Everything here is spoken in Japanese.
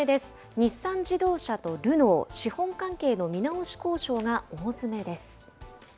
日産自動車とルノー、資本関係の見直し交渉が大詰めです。